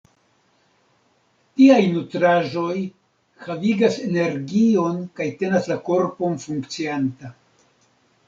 Tiaj nutraĵoj havigas energion kaj tenas la korpon funkcianta.